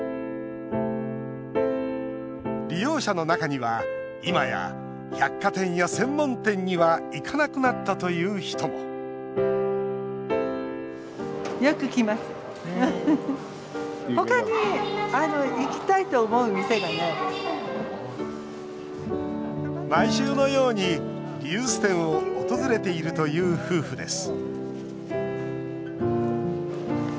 利用者の中にはいまや百貨店や専門店には行かなくなったという人も毎週のように、リユース店を訪れているという夫婦です